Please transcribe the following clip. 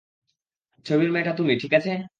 ছবির মেয়েটা তুমি, ঠিক আছে?